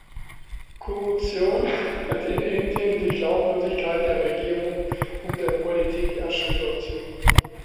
Korruption hat in Indien die Glaubwürdigkeit der Regierung und der Politik erschüttert.